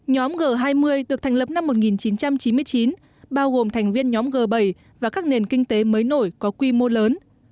nhóm g hai mươi được thành lập năm một nghìn chín trăm chín mươi chín bao gồm thành viên nhóm g bảy và các nền kinh tế mới nổi có quy mô lớn